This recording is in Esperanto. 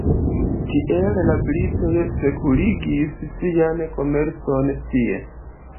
Tiele la britoj sekurigis sian komercon tie.